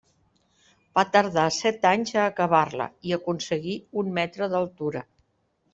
Va tardar set anys a acabar-la i aconseguí un metre d'altura.